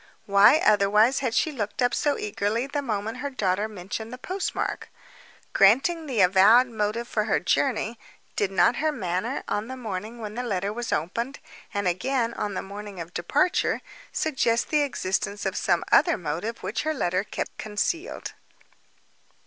Why, otherwise, had she looked up so eagerly the moment her daughter mentioned the postmark. Granting the avowed motive for her journey—did not her manner, on the morning when the letter was opened, and again on the morning of departure, suggest the existence of some other motive which her letter kept concealed?